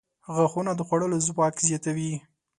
• غاښونه د خوړلو ځواک زیاتوي.